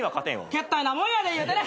けったいなもんやで言うてね。